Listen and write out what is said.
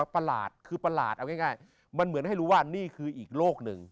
ประหลาดคือประหลาดเอาง่ายมันเหมือนให้รู้ว่านี่คืออีกโลกหนึ่ง